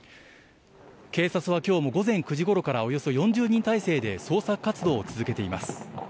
警察はきょうも午前９時ごろからおよそ４０人態勢で捜索活動を続けています。